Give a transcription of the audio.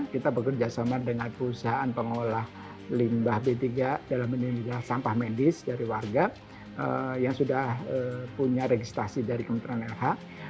kita bekerjasama dengan perusahaan pengolah limbah b tiga dalam sampah medis dari warga yang sudah punya registrasi dari kementerian lh